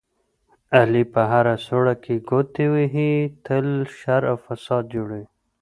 علي په هره سوړه کې ګوتې وهي، تل شر او فساد جوړوي.